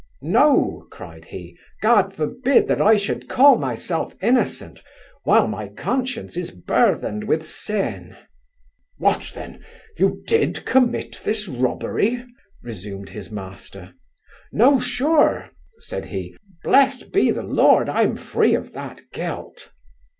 'No (cried he) God forbid that I should call myself innocent, while my conscience is burthened with sin.' 'What then, you did commit this robbery?' resumed his master. 'No, sure (said he) blessed be the Lord, I'm free of that guilt.